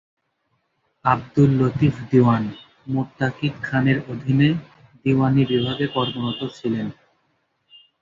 আবদুল লতীফ দীওয়ান মুত্তাকিদ খানের অধীনে দীওয়ানী বিভাগে কর্মরত ছিলেন।